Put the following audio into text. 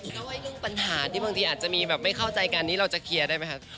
แล้วเรื่องปัญหาที่บางทีอาจจะมีแบบไม่เข้าใจกันนี้เราจะเคลียร์ได้ไหมคะ